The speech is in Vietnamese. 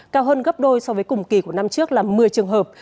cao hơn gấp đôi so với cùng kỳ của năm trước là một mươi trường hợp